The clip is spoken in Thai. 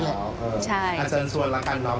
อัจฉันส่วนละกันน้อง